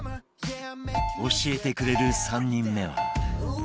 教えてくれる３人目は